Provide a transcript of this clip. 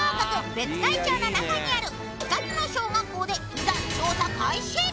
別海町の中にある２つの小学校でいざ